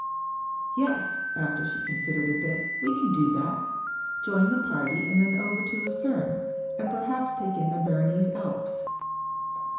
"Yes," after she considered a bit, "we can do that. Join the party and then over to Lucerne, and perhaps take in the Bernese Alps."